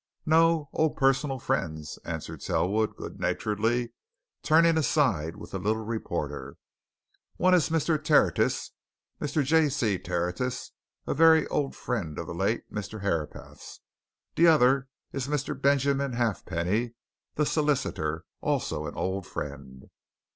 "No old personal friends," answered Selwood, good naturedly turning aside with the little reporter. "One is Mr. Tertius Mr. J. C. Tertius a very old friend of the late Mr. Herapath's; the other is Mr. Benjamin Halfpenny, the solicitor, also an old friend."